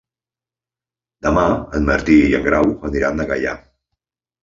Demà en Martí i en Grau aniran a Gaià.